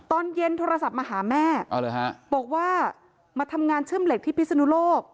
ตอนเย็นโทรศัพท์มาหาแม่บอกว่ามาทำงานเชื่อมเหล็กที่พิศนุโลก